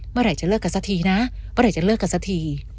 เมื่อไหร่จะเลิกกันสักทีนะเมื่อไหร่จะเลิกกันสักที